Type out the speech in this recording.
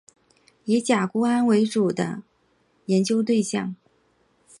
以甲钴胺为主要的研究对象。